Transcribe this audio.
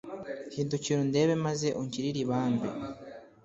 Hindukira undebe maze ungirire ibambe